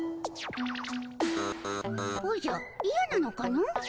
おじゃいやなのかの。